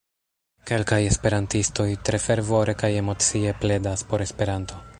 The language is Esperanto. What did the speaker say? Kelkaj esperantistoj tre fervore kaj emocie pledas por Esperanto.